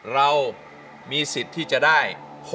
เรามีสิทธิ์ที่จะได้